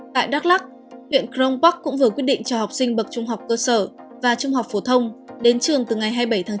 tại đắk lắc huyện crong park cũng vừa quyết định cho học sinh bậc trung học cơ sở và trung học phổ thông đến trường từ ngày hai mươi bảy tháng chín